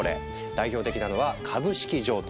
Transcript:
代表的なのは「株式譲渡」。